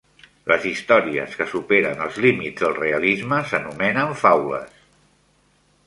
Les històries que superen els límits del "realisme" s'anomenen "faules".